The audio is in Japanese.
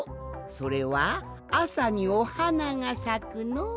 それはあさにおはながさくのう。